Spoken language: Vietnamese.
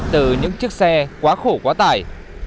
từ những chiếc xe quá khổ quá tải